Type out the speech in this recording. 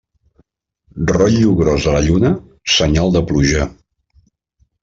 Rotllo gros a la lluna, senyal de pluja.